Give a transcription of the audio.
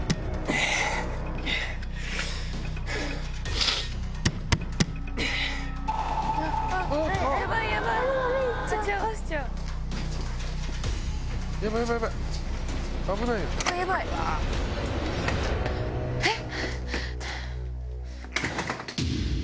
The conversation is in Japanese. えっ！